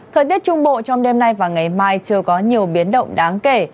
thời tiết trung bộ trong đêm nay và ngày mai chưa có nhiều biến động đáng kể